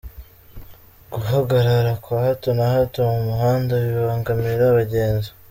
Guhagarara kwa hato na hato mu muhanda bibangamira abagenzi.